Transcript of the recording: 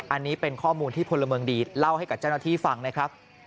อันนี้เป็นข้อมูลที่พลเมืองดีเล่าให้กับเจ้าหน้าที่ฟังนะครับ